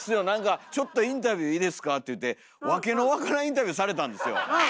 何か「ちょっとインタビューいいですか？」っていうて訳の分からんインタビューされたんですよ。